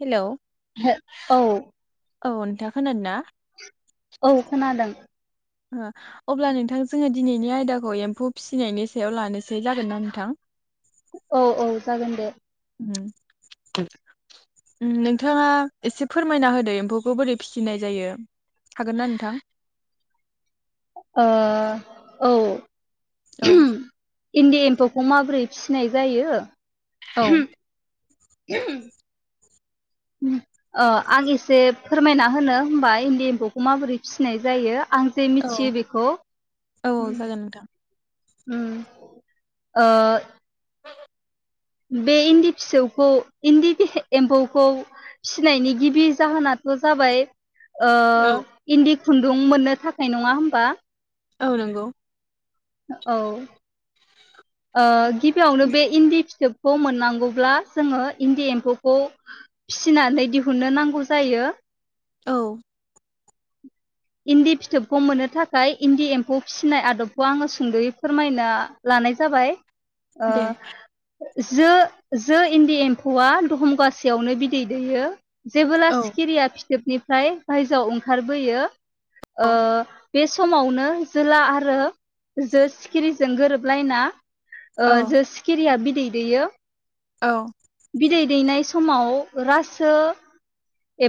Hello औ औ नोंथाङा खोनादों ना औ खोनादों अब्ला नोंथां जोंङो दिनैनि आयदाखौ एम्फौ फिसिनायनि सायाव लानोसै जागोन ना नोंथां औ औ जागोन दे नोंथाङा एसे फोरमायना होदो एम्फौखौ बोरै फिसिनाय जायो हागोनना नोंथां ओ औ औ [inaudible] इन्दि एम्फौखौ माबोरै फिसिनाय जायो औ [inaudible] ओ आं एसे फोरमायना होनो होमबा इन्दि एम्फौखौ माबोरै फिसिनाय जायो आं जे औ मिथियो बेखौ औ जागोन नोंथां उम ओ। बे इन्दि फिसौखौ इन्दि एम्फौखौ फिनायनि गिबि जाहोनाथ' जाबाय ओ औ इन्दि खुन्दुं मोननो थाखाय नङा होमबा? औ नंगौ। औ। ओ‌ गिबियावनो बे इन्दि फिथोब खौ मोननांगौब्ला जोङो इन्दि एम्फौखौ फिसिनानै दिहुननो नांगौ जायो। औ। इन्दि फिथोबखौ मोननो थाखाय इन्दि एम्फौ फिसिनाय आदबखौ आङो सुंद'यै फोरमायना लानाय जाबाय ओ दे। जो जो इन्दि एम्फौआ दहमगासेयावनो बिदै दैयो जेबोला औ सिखिरिया फिथो फाथोबनिफ्राय बायजोआव ओंखारबोयो। औ ओ। बे समावनो जोला आरो जो सिखिरिजों गोरोबलायना ओ औ जो सिकिरिया बि बिदै दैयो। औ। बिदै दैनाय समाव रासो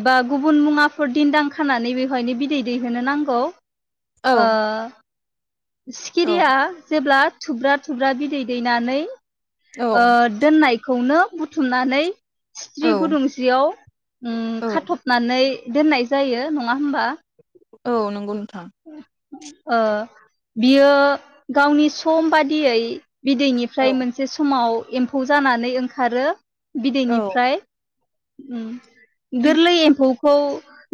एबा गुबुन मुवाफोर दिनदां खानानै बेवहायनो बिदै दैहोनो नांगौ। ओ। औ सिखिरिया जेब्ला थुब्रा थुब्रा बिदै दैनानै ओ औ दोननाय खौनो बुथुमनानै हिस्रि गुदुंसेयाव ओम औ खाथबनानै दोननाय जायो नङा। होमबा औ नंगौ। थां। ओ बियो गावनि सम बादियै औ बिदैनिफ्राय मोनसे समाव एम्फौ जानानै ओंखारो औ बिदैनिफ्राय उम। गोरलै एम्फौ। खौ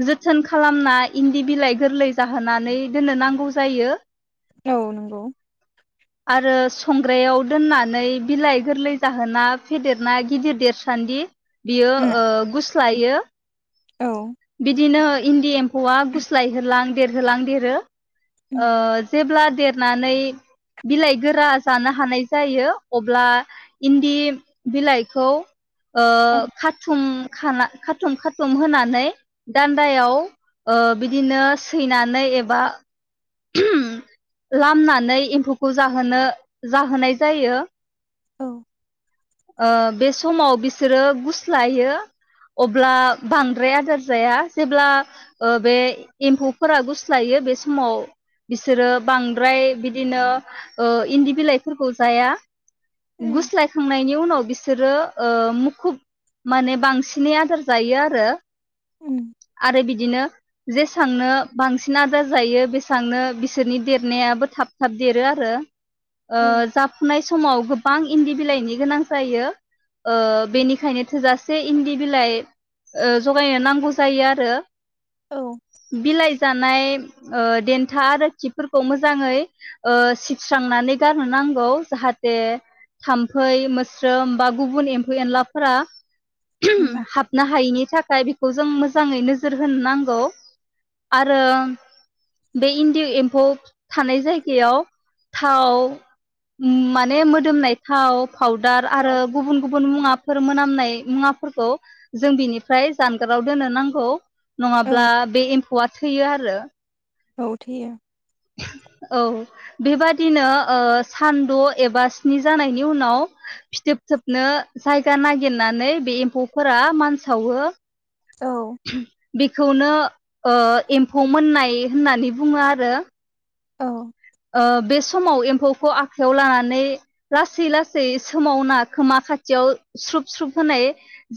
जोथोन खालामना इन्दि बिलाइ गोरलै जाहोनानै दोननो नांगौ जायो औ नंगौ आरो संग्रायाव दोननानै बिलाइ गोरलै जाहोना फेदेरना गिदिर देरसान्दि बियो उम ओ जायो। औ बिदिनो इन्दि एम्फौआ गुस्लायहोलां देरहोलां देरो। ओ उम जेब्ला देरनानै बिलाइ गोरा जानो हानाय जायो अब्ला इन्दि बिलाइखौ ओ खाथुम खाला खाथुम खाथुम होनानै दान्दायाव ओ बिदिनो सैनानै एबा लामनानै एम्फौखौ जाहोनो जाहोनाय जायो। औ ओ बे समाव बिसोरो गुस्लायो अब्ला बांद्राय आदार जाया जेब्ला ओ बे एम्फौफोरा गुस्लायो बे समाव बिसोरो बांद्राय बिदिनो ओ इन्दि बिलाइफोरखौ जाया। उम गुस्लायखांनायनि उनाव बिस सोरो ओ मुखुब माने बांसिनै आदार जायो आरो उम आरो बिदिनो जेसांनो बांसिन आदार जायो बे सांनो बिसोरनि देरनायाबो थाब थाब देरो आरो ओ औ जाफुनाय समाव गोबां इन्दि बिलाइनि गोनां जायो। ओ बेनिखायनो थोजासे से इन्दि बिलाइ जगायनो नांगौ जायो आरो औ बिलाइ जानाय ओ देन्था आरो खिफोरखौ मोजाङै ओ सिबस्रांनानै गारनो नांगौ जाहाथे थाम्फै मोस्रोम बा गुबुन एम्फौ एनलाफोरा उम हाबनो हायैनि थाखाय नाथाय बेखौ जों मोजाङै नोजोर होनो नांगौ आरो बे इन्दि एम्फौ थानाय जायगायाव थाव माने मोदोमनाय थाव फाउदार आरो औ गुबुन गुबुन मुवाफोर मोनाम नाय मुवाफोरखौ जों बिनिफ्राय जानगाराव दोननो नांगौ नङाब्ला बे एम्फौआ थैयो आरो औ थैयो औ बेबादिनो ओ सानद' एबा स्नि जानायनि उनाव फिथोबथोबनो जायगा नागिरनानै बे एम्फौफोरा मानसावो औ बेखौनो एम्फौ मोननाय होननानै बुङो आरो औ ओ बे समाव एम्फौखौ आखायाव लानानै लासै लासै सोमावना खोमा खाथियाव स्रुब स्रुब होनाय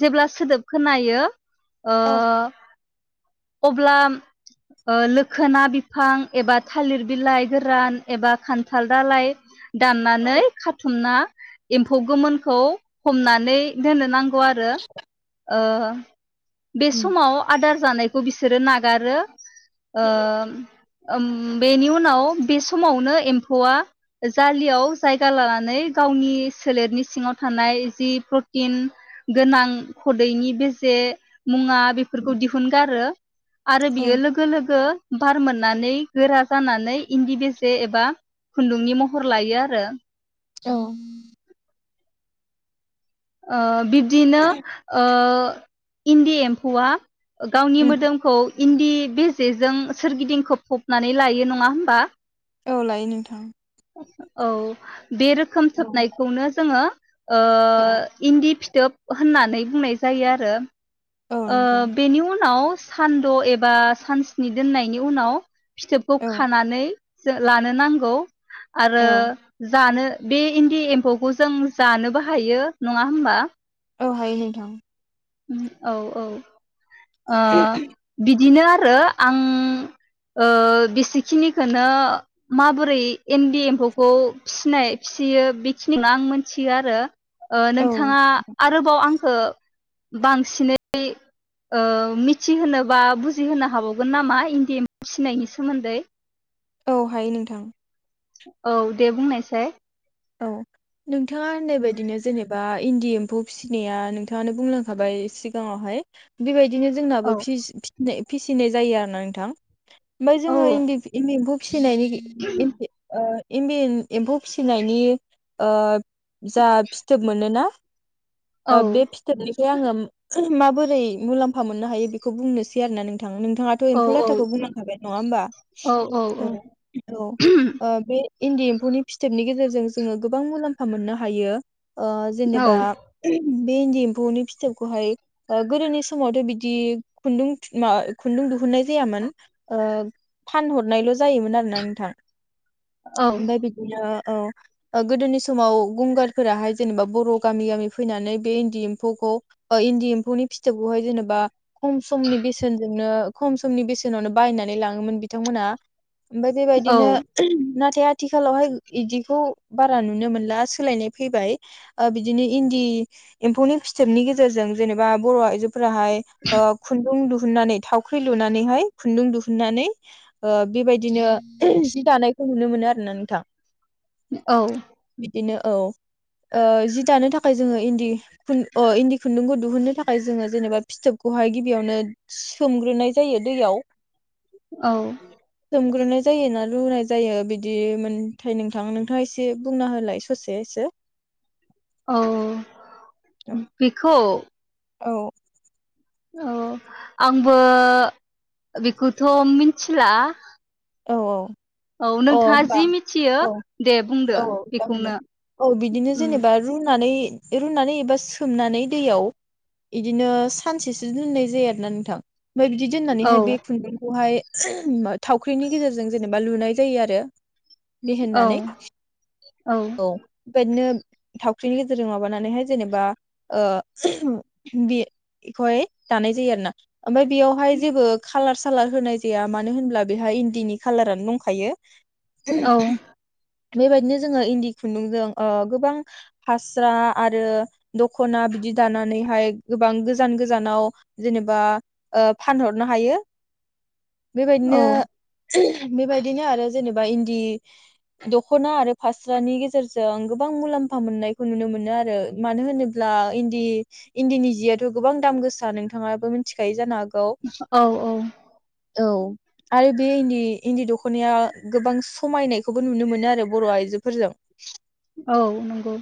जेब्ला सोदोब खोनायो ओ औ अब्ला ओ लोखोना बिफां एबा थालिर बिलाइ गोरान एबा खान्थाल दालाय दाननानै खाथुमना एम्फौ गोमोनखौ हमनानै दोननो नां गौआरो ओ बे उम समाव आदार जानाय खौ बिसोरो नागारो ओ ओम बेनि उनाव बे समावनो एम्फौआ जालियाव जायगा लानानै गावनि सोलेरनि सिङाव थानाय जि प्रटिन गोनां खदैनि बेजे मुवा बेफोरखौ दिहुनगारो आरो औ बियो लोगो लोगो बार मोननानै गोरा जानानै इन्दि बेसे एबा खुनदुंनि महर लायोआरो औ ओ बि बिदोनो ओ ओ इदि एमफुवा गावनि उम मोदोमखौ इन्दि बे जेजों सोरगिदिंखौ फबनानै लायो नङा होमबा औ लायो नोंथां औ बे रोखोम औ सोबनायखौनो जोङो ओ इन्दि फिथोब होननानै बुंनाय जायो आरो औ ओ नंगौ बेनि उनाव सान्द' एबा सानस्नि दोननायनि उनाव फिथोबखौ औ खानानै जों लानो नांगौ आरो औ जानो बे इन्दि एम्फौखौ जों जानोबो हायो नङा होमबा औ हायो हायथं उम औ औ ओ बिदिनो आरो आं ओ बेसेखिनिखौनो माबोरै इन्दि एम्फौखौ फिसिनाय फिसियो बेखिनिखौनो आं मिथियो आरो ओ औ नोंथाङा आरोबाव आंखौ बांसिनै ओ मिथिहोनो बा बुजिहोनो हाबावगोन नामा इन्दि एम्फौ फिसिनायनि सोमोन्दै? औ हायो नोंथां। औ दे बुंनायसाय औ नोंथाङा होननाय बायदिनो जेनेबा इन्दि एम्फौ फिसिनाया नोंथांङानो बुंलांखाबाय सिगांङावहाय बेबाय बिदिनो जोंनाबो औ फिसि फिसिनाय फिसिनाय जायो आरोना नोंथां ओमफाय औ जोंङो इन्दि एम्फौ [unintelligible] ओ इन्दि एम्फौ फिसिनाय नि ओ जा फिथोब मोनोना ओ औ बे फिथोबनि आंङो माबोरै मुलाम्फा मोननो हायो बेखौ बुंनोसै आरोना नोंथां। नोंथांङा थ' औ एम्फौ औ लाथाखौ बुंलांखाबाय नङा होमबा औ औ औ ओ बे इन्दि एम्फौनि फिथोबनि गेजेरजों जों जोंङो गोबां मुलाम्फा मोननो हायो ओ जेनेबा बे इन्दि एम्फौनि फिथोबखौहाय गोदोनि ओ समावथ' बिदि खुन्दुं खुन्दुं दिहुननाय देयामोन ओम फानहरनायल' जायोमोन आरोना नोंथां ओमफ्राय बिदिनो औ ओ गोदोनि समाव गंगारफोराहाय जेनेबा बर' गामि गामि फैनानै बे इन्दि एम्फौखौ इन्दि एम्फौनि फिथोबखौहाय जेनेबा खम समनि बेसेनजोंनो खम समनि बेसेनावनो बायनानै लांङोमोन बिथांमोनहा ओमफ्राय बेबायदिनो ना थे आथिखालावहाय इदि खौ बारा नुनो मोनला सोलायनाय फैबाय ओ बिदिनो इन्दि एम्फौनि फिथोबनि गेजेरजों जेनेबा बर' आइजो फ्राहाय ओ खुन्दुं लु दिुहुननानै थावख्रि लुनानैहाय खुन्दुं दिुहुननानै ओ बेबायदिनो जि दानायखौ नुनो मोनो आरो ना नोंथां औ बिदिनो औ ओ जि दानो थाखाय जोंङो इन्दि खुन ओ इन्दि खुन्दुंखौ दिुहुननो थाखाय जोंङो जेनेबा फिथोबखौहाय गिबियावनो सोमग्रोनाय जायो दैयाव औ [unintelligible] ग्रोनाय जायो ना लुनाय जायो बिदि मोनथाय नों थां नोंथाङा एसे बुंना होलाय ससे सो औ बेखौ औ औ आंबो बेखौथ' मिथिला औ औ औ अ नोंथाङा होमबा जि मिथियो दे बुंदो औ जागोन दे बेखौनो औ बिदिनो ओम जेनेबा रुनानै रुनानै एबा सोमनानै दैयाव इदिनो सानसेसो दोननाय जायो आरोना नोंथां ओमफ्राय बिदि औ दोननानैहाय बे खुन्दुंखौहाय ओम थाव ख्रिनि गेजेरजों जेनेबा लुनाय जायो आरो औ बेहेनानै औ बेबायादनो थावख्रिनि गेजेरजों माबानानैहाय जेनेबा ओ [unintelligible] बि बेखौहाय दानाय जायो आरो ना ओमफाय बेयावहाय जेबो खालार सालार होनाय जाया मानो होनब्ला बेहा इन्दिनि कालारानो दंखायो औ बेबायदिनो जोङो इन्दि खुन्दुंजों ओ गोबां फास्रा आरो दखना बिदि दानानैहाय गोबां गोजान गोजानाव जेनेबा ओ फानहरनो हायो औ बेबायदिनो [unintelligible] बेबायदिनो आरो जेनेबा इन्दि दख'ना आरो फास्रानि गेजेरजों गोबां मुलाम्फा मोननायखौ नुनो मोनो आरो मानो होनोब्ला इन्दि इन्दिनि जियाथ' गोबां दाम गोसा नोंथाङाबो मिथिखायो जानो हागौ औ औ औ आरो बे इन्दि इन्दि दख'नाया गोबां समायनायखौबो नुनो मोनो आरो बर' आइजोफोरजों औ नंगौ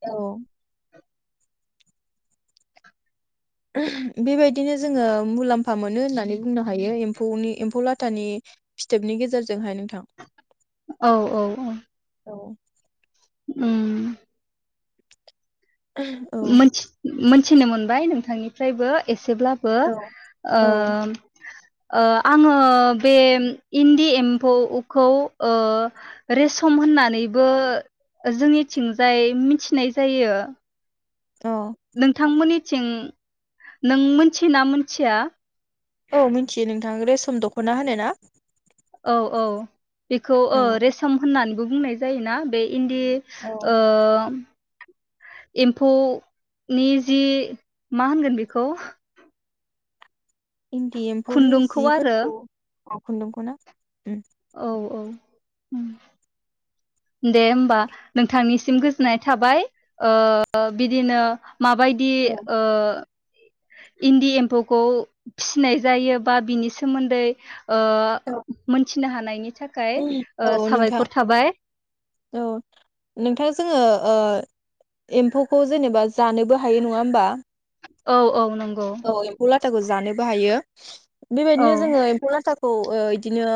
औ बेबायदिनो जोङो मुलाम्फा मोनो होननानै बुंनो हायो एम्फौनि एम्फौ लाथानि फिथोबनि गेजेरजोंहायनो औ औ औ औ उम औ मोनथि मोन थिनो मोनबाय नोंथांनिफ्रायबो ए एसेब्लाबो ओ औ ओ आङो बे इन्दि एम्फौखौ ओ रेसम होननानैबो जोंनिथिंजाय मिथिनाय जायो औ नोंथांमोननि थिं नों मोनथियो ना मोनथिया औ मिथियो नोंथां रेसम दख'ना होनो ना औ औ बेखौ ओ रेसम होननानै [unintelligible] बुंनाय जायोना बै इन्दि औ ओ एम्फौनि जि मा होनगोन बेखौ इन्दि एम्फौनि खुन्दुंखौ आरो जिफोरखौ अ खुन्दुंखौ ना? ओम औ औ ओम दे होमबा नोंथांनिसिम गोजोननाय थाबाय ओ बिदिनो माबायदि औ ओ इन्दि एम्फौखौ फिसिनाय जायो बा बिनि सोमोन्दै ओ मोन थिनो हानायनि थाखाय ओ औ नोंथां साबायखर थाबाय। औ नोंथां जोङो ओ एम्फौखौ जेनेबा जानोबो हायो नङा होमबा? औ औ नंगौ। थाखौ जानोबो हायो। औ बेबायदिनो जोङो एम्फौ लाथा खौ ओ इदिनो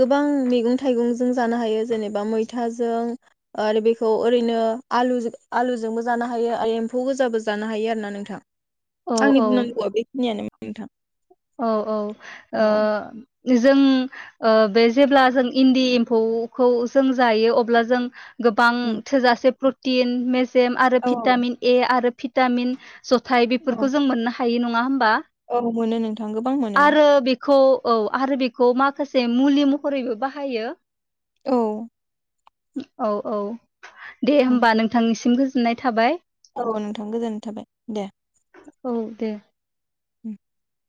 गोबां मैगं थाइगं जों जानो हायो जेनेबा मै थाजों आरो बेफो औ ओरैनो आलुजों आलुजोंबो जानो हायो आरो एम्फौ गोजाबो जानो हायो आरोना नोंथां। औ आंनि औ बुंनांगौआ बेखिनियानोमोन नोंथां। औ औ ओ औ जों ओ बे जेब्ला जों इन्दि एम्फौखौ जों जायो अब्ला जों गोबां उम थोजासे प्लट तिन मेच सेम आरो औ भिटामिन ए आरो भिटामिन जथाय औ बेफोरखौ जों मोननो हा हायो नङा होम औ मोनो नोंथ थां गोबां मोनो। खौ औ आरो बेखौ माखासे मुलि महरैबो बाहायो। औ औ औ दे उम होमबा नोंथांनिसिम गोज नाय थाबाय। औ नोंथां गोजोननाय थाबाय दे औ दे। [unintelligible]